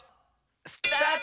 スタート！